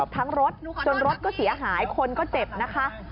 รถจนรถก็เสียหายคนก็เจ็บนะคะ